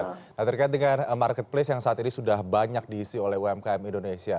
nah terkait dengan marketplace yang saat ini sudah banyak diisi oleh umkm indonesia